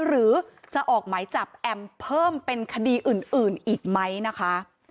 หรือจะออกหมายจับแอมเพิ่มเป็นคดีอื่นอีกไหมนะคะ